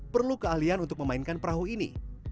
perlu keahlian untuk memainkan perahu ini